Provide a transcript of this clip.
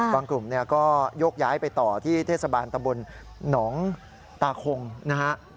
บางกลุ่มก็ยกย้ายไปต่อที่เทศบาลตะบนหนองตาโคงนะฮะ